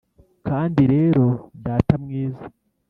kandi rero, data mwiza,